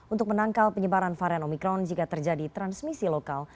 untuk menangkal penyebaran varian omikron jika terjadi transmisi lokal